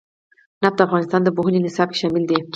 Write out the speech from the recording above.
نفت د افغانستان د پوهنې نصاب کې شامل دي.